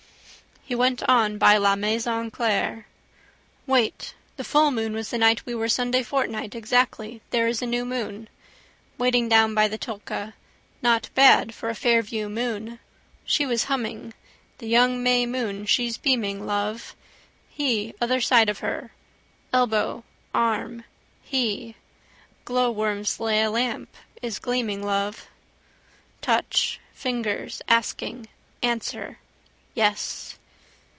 He went on by la maison Claire. Wait. The full moon was the night we were Sunday fortnight exactly there is a new moon. Walking down by the Tolka. Not bad for a Fairview moon. She was humming. The young May moon she's beaming, love. He other side of her. Elbow, arm. He. Glowworm's la amp is gleaming, love. Touch. Fingers. Asking. Answer. Yes.